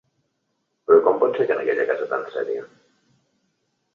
Però com pot ser que en aquella casa tant seria...?